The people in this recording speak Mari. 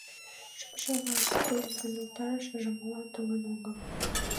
Шупшалаш пуэн гын, утарашыже молан толын огыл?